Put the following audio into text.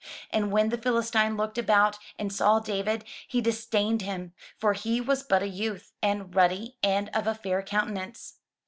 And when the Philistine looked about, and saw David, he disdained him: for he was but a youth, and ruddy, and of a fair countenance.